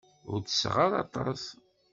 Ur tesseɣ ara aṭas.